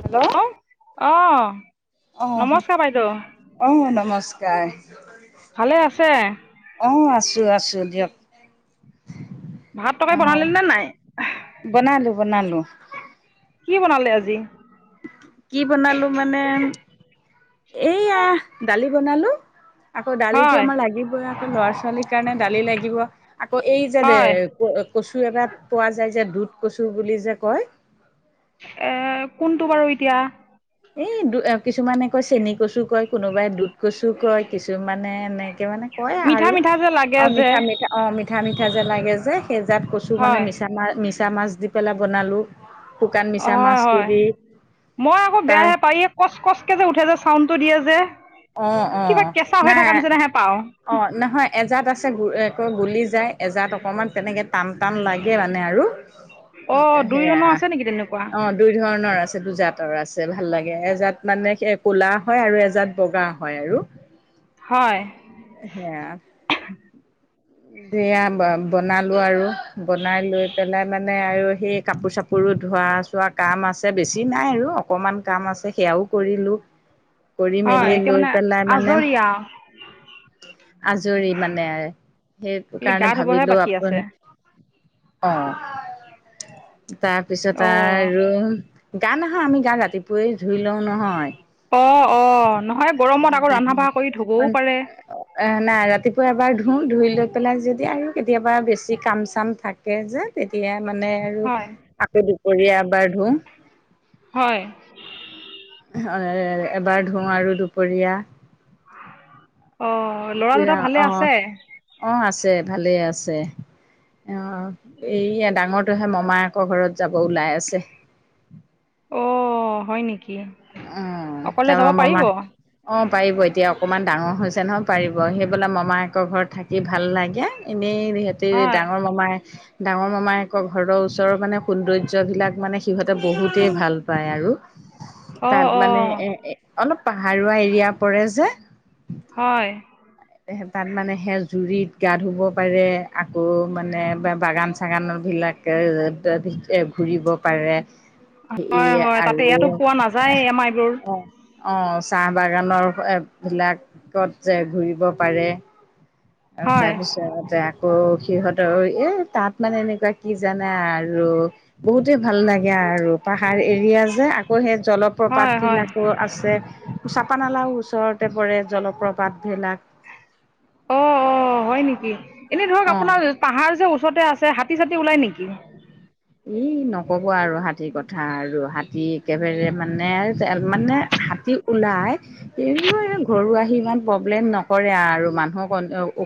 Hello অৱ। অহ নমস্কাৰ অহ বাইদেউ, নমস্কাৰ ভালে আছে? অ আছো আছো দিয়ক। ভাত তৰকাৰী অহ বনালি নে নাই? বনালো বনালো। কি বনালে আজি? কি বনালো মানে, এইয়া দালি বনালো। আকৌ দালিতো হয় আমাৰ লাগিবই আক, ল'ৰা ছোৱালীৰ কাৰণে দালি লাগিব আকৌ এই যে দে হয় কচু এটা পোৱা যায় যে দুধ কচু বুলি যে কয় এ কোনটো বাৰু এতিয়া? এই দু কিছুমানে কয় চেনি কচু কয় কোনোবাই দুধ কচু কয় কিছুমানে এনেকে মানে কয় মিঠা আৰু মিঠা যে লাগে অ যে মিঠা মিঠ অঁ মিঠা মিঠা যে লাগে যে, সেইজাত কচু মানে হয় মিছা মা মিছা মাছ দি পেলাই বনালোঁ। অ হয় হয়, মই আকৌ তাৰ বেয়াহে পা কচ কচ কে যে উঠে যে চাউণ্ডটো দিয়ে যে, অ অ কিবা কেঁচা হৈ নাই থকা নিচিনা হে পাওঁ। অ নহয় এজাত আছে এ কৈ গুলি যায় এজাত অকণমান তেনেকে টান টান লাগে মানে আৰু। অ' দুই সেয়া ধৰণৰ আছে নেকি তেনেকুৱা অ দুই ধৰণৰ আছে দুজাতৰ আছে ভাল লাগে, এজাত মানে হে কু'লা হয় আৰু এজাত বগা হয় আৰু। হয়। সেইয়া। [inaudible] দেয়া বনালো আৰু বনাই লৈ পেলাই মানে আৰু সেই কাপোৰ চাপোৰ পুৰো ধোৱা চোৱা কাম আছে বেছি নাই আৰু অকণমান কাম আছে সেয়াও কৰিলোঁ। কৰি মেলি হয় এতিয়া লৈ মানে পেলাই মানে আজৰি আও? আজৰি মানে সেইটো খালি গা কাৰণে ধুবহে ভাবিলো বাকী আপুন আছে অ তাৰপিছত অ' আৰু গা নহয় আমি গা ৰাতিপুৱাই ধুই লওঁ নহয়। অ অ নহয় গৰমত আকৌ ৰন্ধা বঢ়া কৰি ধুবও পাৰে। এ নাই ৰাতিপুৱা এবাৰ ধুও ধুই লৈ পেলাই যদি আৰু কেতিয়াবা বেছি কাম চাম থাক কে যে তেতিয়া মানে আৰু হয় আকৌ দুপৰীয়া এবাৰ ধুম। হয়। হয় এ এবাৰ ধোওঁ আৰু দুপৰীয়া। অঁ ল'ৰা দুটা ৰা ভালে অ আছে অ আছে ভালেই আছে। এইয়া ডাঙৰটোহে মামায়েকৰ ঘৰত যাব ওলাই আছে। অ হয় নেকি? অ অকলে যাব তাৰপৰা পাৰিব মমাই অ পাৰিব এতিয়া অকণমান ডাঙৰ হৈছে নহয় পাৰিব, সি বোলে মামায়কৰ ঘৰত থাক কি ভাল লাগে এনেই সিহঁতে হয় ডাঙৰ মমাই ডাঙৰ মমায়েকৰ ঘৰৰ ওচৰৰ মানে সৌন্দৰ্যবিলাক মানে সিহঁতে বহুতেই ভাল পায় আৰু। অঁ তাত মানে অঁ এ এ অলপ পাহাৰুৱা এৰিয়া পৰে যে। হয়। তাত মানে সেই জুৰিত গা ধুব পাৰে আকৌ মানে বাগান চাগানৰ বিলাক [inaudible] ঘূৰিব পাৰে। ই হয় হয় তাতে আৰু ইয়াতো পোৱা নাযায় আমাৰ এইবোৰ অ অ চাহ বাগানৰ এ বিলাকত যে ঘূৰিব পাৰে। আৰু হয় তাৰপিছতে আকৌ সিহঁতৰ এ তাত মানে এনেকুৱা কি জানা আৰু। বহুতেই ভাল লাগে আৰু। পাহাৰ এৰিয়া যে আকৌ সেই হয় জলপ্ৰপাত হয় বিলাকো আছে। চাপানালাও ওচৰতে পৰে জলপ্ৰপাতবিলাক। অ' অ' হয় নেকি এনে ধৰক অ আপোনাৰ পাহাৰ যে ওচৰতে আছে হাতী চতি ওলাই নেকি? ই নকব আৰু হাতীৰ কথা আৰু হাতী একেবাৰে মানে মানে হাতী। ওলাই। সেই ঘৰ আহি ইমান প্ৰব্লেম নকৰে আৰু মানুহক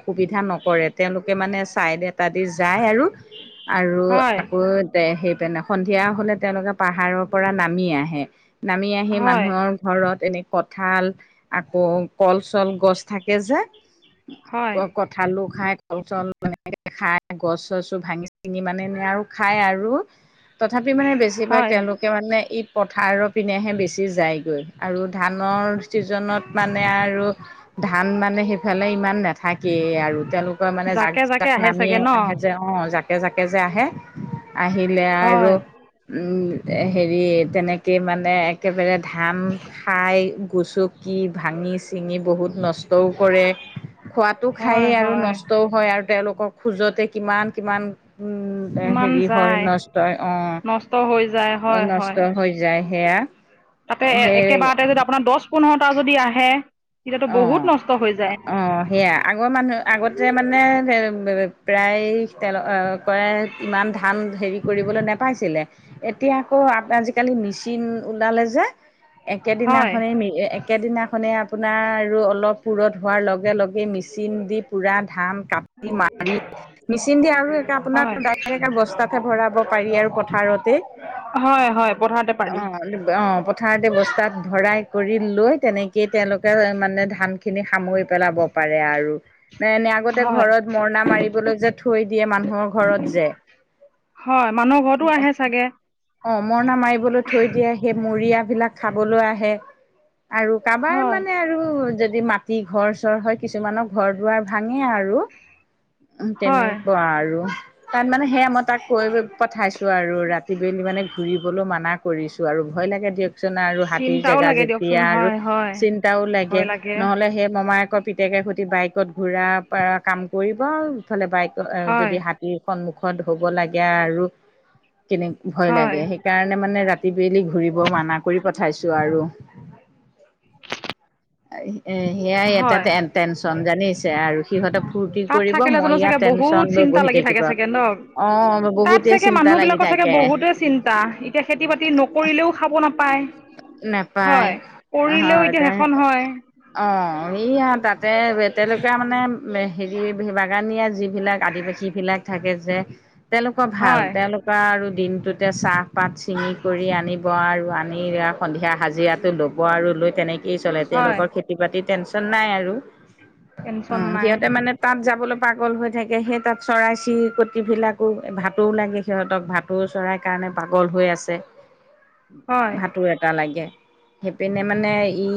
অসুবিধা নকৰে। তেওঁলোকে মানে ছাইড এটা দি যায় আৰু। উ [inaudible] আৰু আকৌ সেই সন্ধিয়া হলে তেওঁলোকে পাহাৰৰ পৰা নামি আহে। নামি আহি হয় মানুহৰ। ঘৰত এনে কঠাল আকৌ কল- চল গছ থাকে যে। ক হয় ক। আঠালু খাই কল চল এনেকৈ খাই গছ - চছ চো ভাঙি চিঙি মানে আৰু। খাই আৰু তথাপি মানে বেছিভাগ হয় তেওঁলোক। তেওঁলোকে মানে ই পথাৰৰ পিনেহে বেছি যায়গে। আৰু ধানৰ ছিজনত মানে আৰু। ধান মানে সেইফালে ইমান নাথাকে। কেই আৰু তেওঁলোকৰ মানে জাক জাকে - জাকে জাক আহে চাগে নামিয় ন আহে যে অ জাকে জাকে যে আহে। আহিলে হয় আৰু। হেৰি তেনেকেই মানে একেবাৰে ধান। খাই গুচকি ভাঙি চিঙি বহুত নষ্টও কৰে। খোৱাতো হয় খায়েই আৰু হয় নষ্টও হয় আৰু তেওঁলোকক খোজতে কিমান কিমান উম। এ কিমান হেৰি হয় যায় নষ্ট, নষ্ট হৈ যায় অ' হয় হয় নষ্ট হৈ যায় সেয়া। তাতে সেই একেবাৰতে যদি আপোনাৰ দচ - পোন্ধৰটা যদি আহে। তেতিয়াতো বহুত অ' নষ্ট হৈ যায় অ' সেয়া আগৰ মানুহে। আগতে মানে প্ৰায় তেলক ইমান ধান হেৰি কৰিবলৈ নাপ। পাইছিলে, এতিয়া আকৌ আজিকালি মেচিন ওলালে যে। হয় একেদিনাখনে একে দিনাখনে আপুনি। আপোনাৰ আৰু অলপ পুৰঠ হোৱাৰ লগে - লগে মেচিন দি পুৰা ধান। কাটি মাৰি মেচিন দি আৰুে আপোনাৰ হয় ডাইৰেক্ট বস্তাতহে ভৰাব পাৰি আৰু পথাৰতে। হয় হয় পথাৰতে অ পাৰি ল অ [inaudible] পথাৰতে বস্তাত ভৰাই কৰি লৈ তেনেকেই তেওঁলোকে। মানে ধান খিনি সামৰি পেলাব পাৰে আৰু মানে এনে। আগতে হয় ঘৰত মৰণা মাৰিবলৈ যে থৈ দিয়ে মানুহক। ঘৰত যে। হয় মানুহ ঘৰতো আহে চাগে অ' মৰণা মাৰিবলৈ থৈ দিয়ে সেই মৰিয়াবিলাক খাবলৈ আহে। আৰু কাৰোবাৰ হয় মানে আৰু যদি মাটি ঘৰ চৰ হয় কিছুমানৰ ঘৰ দুৱাৰ ভাঙে আৰু। আৰু হয় তেনেকুৱা আৰু তাত মানে সেয়া মই তাক কৈ পঠাইছো। আৰু ৰাতি বেলি মানে ঘুৰিবলৈ মানা কৰিছো আৰু ভয় লাগে দিয়ক। হ জো চিন্তাও যেয়া লাগে দিয়কচোন চিা ল হয় হয় ভয় লাগে ন [inaudible] সেই মামায়কৰ পিতেকে সৈতে বাইকত ঘূৰা কাম কৰিব আৰু ইফালে বাইক। হয় যদি হাতীৰ সন্মুখত ধব লাগে আৰু কেনে ভয় হয় লাগে স। সেই কাৰণে মানে ৰাতি বিলি ঘূৰিব মানা কৰি পঠাইছো আৰু। [inaudible] আহ এ, সেয়াই হয় ইয়াতেন টেনশ্যন জানিছে আৰু সিহঁতে ফূৰ্তি তাত কৰিব মই ইয়াত টেনশ্যন লৈ বহি থাকিব। ঠাগে ন অ' তাত বহুতে চাগে চিন্তা মানুহ লাগি বিলাকৰ চাগে থাকে বহুতে চিন্তা, এতিয়া খেতি বাতি নকৰিলেও খাব নাপায়। নেপায় হয় কৰিলেও হয় এতিয়া দে। সেইখন হয়। অ এইয়া তাতে তেলুৱা মানে হেৰি বাগানীয়া যিবিলাক আদিবাসী। যি বিলাক থাকে যে তেওঁলোকৰ ভাল হয় তেওঁলোক, তা আৰু দিনটোতে চাহপাত ছিঙি কৰি আনিব আৰু আনি এয়া। সন্ধিয়া হাজিৰাটো ল'ব আৰু লৈ তেনেকেই চলে হয় তেওঁলোকৰ খেতি বাতিৰ টেনশ্যন নাই আৰু অ টেনচন নাই সিহঁতে মানে। তাত যাবলৈ পাগল হৈ থাকে সেই তাত চৰাই চিৰিকট বিলাকো ভাতোও লাগে সিহঁতক ভাত, ভটৌও চৰাইৰ কাৰণে পাগল হৈ আছে হয় ভাটৌ এ এটা লাগে সেইপিনে মানে ই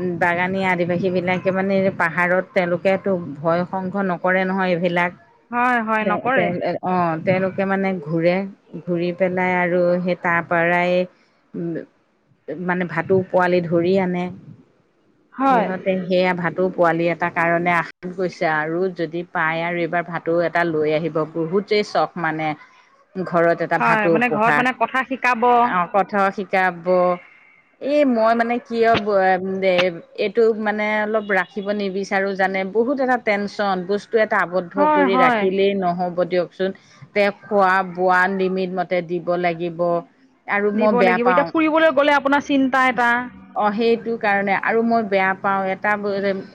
উ বাগানী আদি। সীবিলাকে মানে পাহাৰত তেওঁলোকেতো ভয় সংঘ নকৰে নহয় এইবিলাক। হয় হয় নকৰে [unintelligible] অ তেওঁলোকে মানে ঘূৰে ঘূৰি পেলাই আৰু সেই তাৰ পৰাই, উ, মানে ভাটৌ পোৱালি ধৰি আনে হয় সিহঁতে সেয়া ভাটৌ পোৱালি এ এটা কাৰণে আশাত গৈছে আৰু যদি পায় আৰু এইবাৰ ভাতৌ এটা লৈ আহিব বহুত, ই চখ মানে ঘৰত এটা হয় ভাটৌ মানে ঘৰত পোহা মানে কথা শিকাব অ, কথ শিকাব এই মই মানে কিয় [unintelligible] এইটো মানে অলপ ৰাখিব নিবিচাৰো জানে বহুত এটা টেনচন ব এটা আৱদ্ধ হয় কৰি হয় ৰাখিলেই নহ'ব দিয়ক। চোন তে খোৱা বোৱা নিমিট মতে দিব লাগিব। আৰু দিব মই বেয়া লাগিব পাওঁ। এতিয়া গ'লে আপোনাৰ চিন্তা এটা। অ সেইটো কাৰণে আৰু মই বেয়া পাও এটা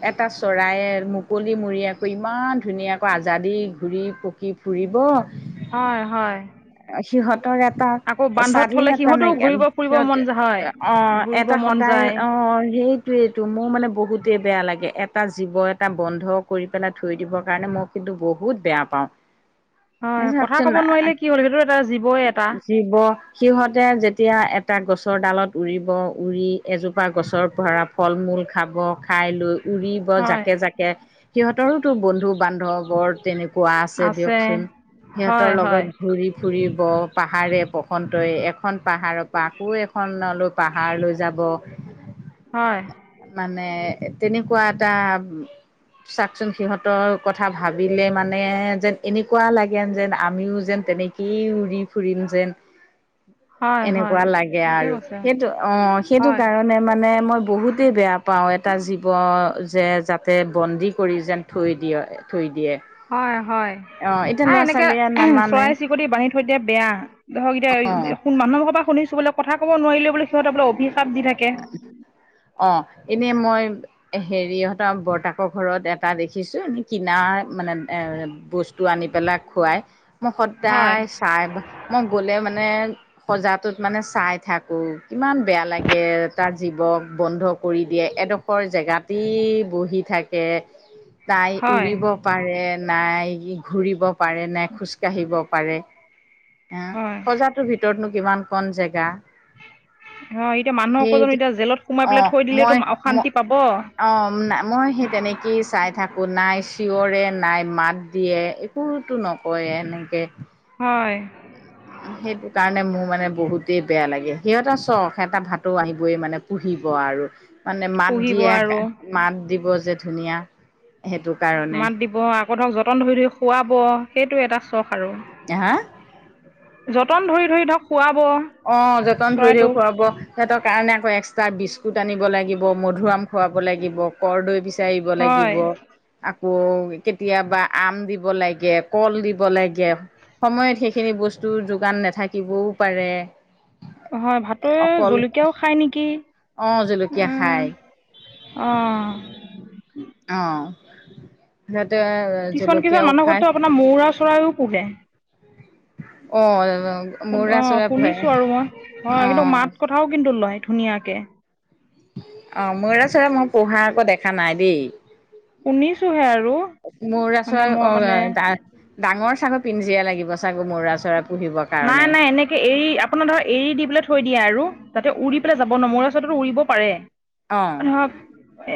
এটা চৰায়ে মোক, মুকলি মুৰিয়াকৈ ইমান ধুনীয়াকৈ আজা দি ঘূৰি পকি ফুৰিব। হয় হয় সিহঁতৰ এটা আকৌ বান্ধত থলে স্বাধীন এটা সিহঁতেও নাইক ঘূৰিব ফুৰিব সিহঁত মন যায়, হয় অ ঘূৰিব এটা মন সদায় যায় অ, অ সেইটোয়েইটো মোৰ মানে বহুতেই বেয়া লাগে এটা জীৱ এটা বন্ধক, কৰি পেলাই থৈ দিবৰ কাৰণে মই কিন্তু বহুত বেয়া পাওঁ, হয় কথা কব চাওকচোন নোৱাৰিলে কি হ'ল সেইটো এটা জীৱই এটা। জীৱ সিহঁতে যেতিয়া এ এটা গছৰ ডালত উৰিব উৰি এজোপা গছৰ ভৰা ফল মূল খাব খাই লৈ। উৰিব হয় জাকে জাকে। সিহঁতৰোতো বন্ধু বান্ধৱৰ তেনেকুৱা আছে দিয়কচোন। সিহঁতৰ হয় হয় লগত ঘূৰি, ফুৰিব পাহাৰে বসন্তই এখন পাহাৰৰ পৰা আকৌ এখন, পাহাৰ লৈ যাব। হয়। মানে তেনেকুৱা এটা। চাওকচোন সিহঁতৰ কথা ভাবিলে মানে যেন এনেকুৱা লাগেন যেন আমিও যেন তেনেকে, উৰি উৰি ফুৰিম যেন। হয় হয় পোৱা লাগে ঠিকে আৰু কৈছে সেইটো অ সেইটো হয় কাৰণে মানে মই বহুতেই বেয়া পাওঁ এটা জী জীৱ যে যাতে বন্দী কৰি যেন থৈ দিয়ে থৈ দিয়ে হয় হয় অ এতিয়া আৱ ল'ৰা এনেকে ছোৱালীয়ে নামানে চৰাই চিৰিকটি বান্ধি থৈ দিলে বেয়া ধৰক অ এতিয়া মানুহ পৰা শুনিছো বোলে কথা কব নোৱাৰিলে সিহঁতে বোলে অভিশাপ দি থাকে অ এনেই মই হেৰিহঁতৰ বৰতাকৰ ঘৰত এটা দেখিছো এ কিনাৰ মানে এ বস্তু আনি পেলাই খুৱাই মই হয় সদায় চাই মই গলে মানে সজাটোত মানে চাই থাকো কিমান বেয়া লাগে এটা জীৱক বন্ধ কৰি দিয়ে এডোখৰ জেগাতেই বহি থাকে [unintelligible] তাই হয় উৰিব পাৰে নাই ঘূৰিব পাৰে নে খোজকাঢ়িব পাৰে হয় অহ সজাটোৰ ভিতৰতনো কিমান কন জেগা অ এতিয়া মানুহকো সেই জানো এতিয়া জেলত সোমাই পেলাই অ', থৈ দিলেতো মই ম অশান্তি পাব অ মই সেই তেনেকেই চাই থাকো নাই চিঞৰে নাই মাত দিয়ে একোৰতো নকয়ে এনেকে হয় সেইটো কাৰণে মোৰ মানে বহুত তে বেয়া লাগে সিহঁতে এটা চখ এটা ভাতৌ আহিবই মানে পুহিব আৰু মানে মাত পুহিব আৰু দিয়ে মাত দিব যে ধুনীয়া সেইটো কাৰণে অ আকৌ ধৰক যতন ধৰি ধৰি খুৱাব সেইটো এটা চখ আৰু [unintelligible] যতন ধৰি ধৰি ধৰক খুৱাব অ যতন ধৰি ধৰি চৰাইটোক খুৱাব সিহঁতৰ কাৰণে আকৌ এক্সটা বিস্কুট আনিব লাগিব মধুআম খুৱাব লাগিব কৰদৈ বিচাৰিব হয় লাগিব আকৌ কেতিয়াবা আম দিব লাগে কল দিব লাগে সময়ত সেইখিনি বস্তুৰ যোগান নাথাকিবও পাৰে হয় ভাটৌৱে অকল জলকীয়াও খায় নেকি অ', জলকীয়া উম খায় অ অহ সেইটোৱে কিছুমান কিছুমান মানুহৰ ঘৰততো আপোনাৰ মৌৰা চৰাইও পোহে অ [unintelligible] অ চৌৰা পোহে শুনিছো আৰু মই অ কিন্তু মাত কথাও কিন্তু লয় ধুনীয়াকে অ ময়ুৰা চৰাই মই পোহা আক দেখা নাই দেই শুনিছোহে আৰু ময়ূৰা মানে চৰাই মই অ মানে ডা ডাঙৰ চাগৰ পিনজীৰা লাগিব চাগে ময়ূৰা চৰাই পুহিবৰ না কাৰণে না এনেকে এৰি আপোনাৰ ধৰ এৰি দি পেলাই থৈ দিয়ে আৰু যাতে উৰি পেলাই যাব নোৱাৰে ময়ূৰ চৰাইতো উৰিব পাৰে অ' ধৰক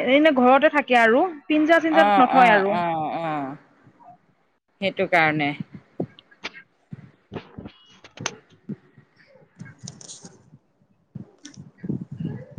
এনেই নো ঘৰতে থাকে আৰু পিঞ্জা অ চিঞ্জাত অ নথয় আৰু অ অ সেইটো কাৰণে [unintelligible] [unintelligible]